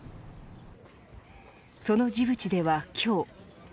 そのジブチでは今日。